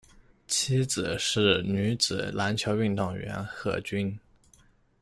妻子是女子篮球运动员何军。